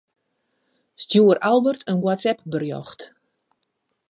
Stjoer Albert in WhatsApp-berjocht.